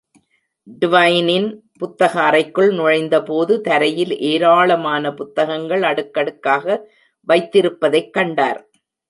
ட்வைனின் புத்தக அறைக்குள் நுழைந்தபோது, தரையில் ஏராளமான புத்தகங்கள் அடுக்கடுக்காக வைத்திருப்பதைக் கண்டார்.